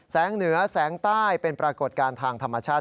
เหนือแสงใต้เป็นปรากฏการณ์ทางธรรมชาติ